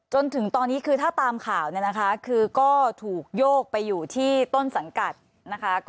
จนถึงตอนนี้คือถ้าตามข่าวเนี่ยนะคะคือก็ถูกโยกไปอยู่ที่ต้นสังกัดนะคะ